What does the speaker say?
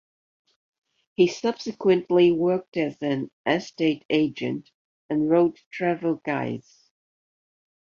He subsequently worked as an estate agent and wrote travel guides.